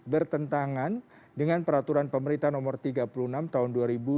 bertentangan dengan peraturan pemerintah nomor tiga puluh enam tahun dua ribu dua puluh